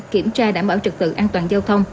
kiểm tra đảm bảo trực tự an toàn giao thông